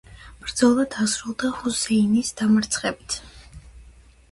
ბრძოლა დასრულდა ჰუსეინის დამარცხებით.